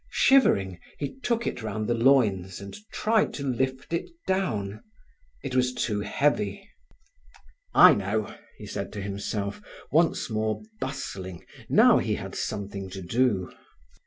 Shivering, he took it round the loins and tried to lift it down. It was too heavy. "I know!" he said to himself, once more bustling now he had something to do.